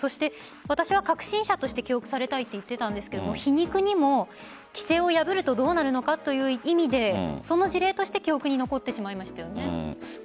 私は革新者として記録されたいと言っていたんですが皮肉にも規制を破るとどうなるのかという意味でそんな事例として記憶に残ってしまっていますよね。